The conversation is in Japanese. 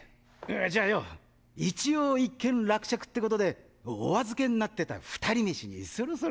じゃあよ一応一件落着ってことでお預けになってたフタリ飯にそろそろ。